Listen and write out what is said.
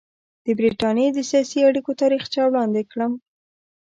د برټانیې د سیاسي اړیکو تاریخچه وړاندې کړم.